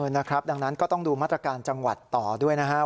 นะครับดังนั้นก็ต้องดูมาตรการจังหวัดต่อด้วยนะครับ